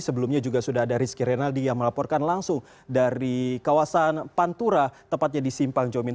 sebelumnya juga sudah ada rizky renaldi yang melaporkan langsung dari kawasan pantura tepatnya di simpang jomin